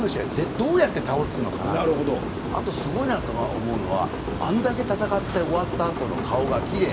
どうやって倒すのかなとかあと、すごいなと思うのはあんだけ戦って終わった後の、顔が奇麗。